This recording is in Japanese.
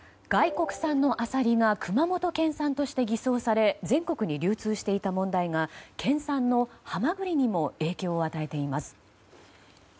外国産のアサリが熊本県産として偽装され全国に流通していた問題が県産のハマグリにも影響を与えています。